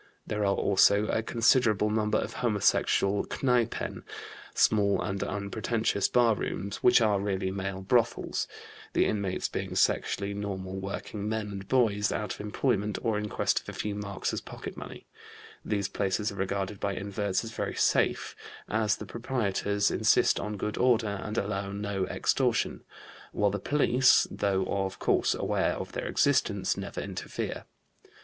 There are also a considerable number of homosexual Kneipen, small and unpretentious bar rooms, which are really male brothels, the inmates being sexually normal working men and boys, out of employment or in quest of a few marks as pocket money; these places are regarded by inverts as very safe, as the proprietors insist on good order and allow no extortion, while the police, though of course aware of their existence, never interfere.